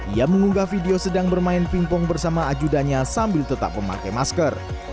ia mengunggah video sedang bermain pingpong bersama ajudanya sambil tetap memakai masker